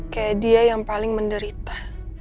kayak dia yang paling menderita